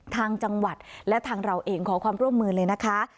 ทางจังหวัดและทางเราเองขอความร่วมมือเลยนะคะ